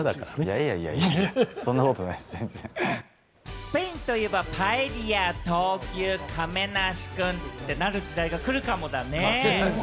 スペインといえばパエリア、闘牛、亀梨くんってなる時代が来るかもね。